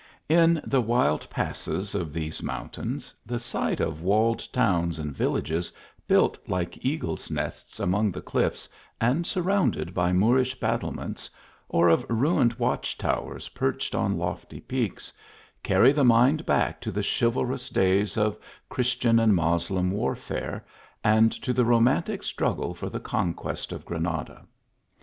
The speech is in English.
In the wild passes of these mountains, the sight of walled towns and villages built like eagles nests among the cliffs, and surrounded by Moorish battle ments, or of ruined watch towers perched on lofty peaks, carry the mind back to the chivalrous days of Christian and Moslem warfare, and to the romantic struggle for the conquest of Granada.